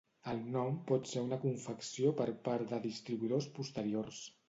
El nom pot ser una confecció per part de distribuïdors posteriors.